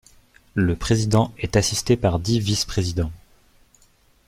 Le président est assisté par dix vice-présidents.